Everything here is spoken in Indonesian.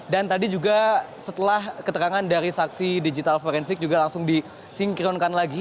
dan tadi juga setelah keterangan dari saksi digital forensik juga langsung disinkronkan lagi